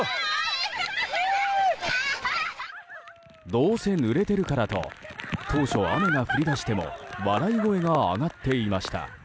どうせぬれてるからと当初、雨が降り出しても笑い声が上がっていました。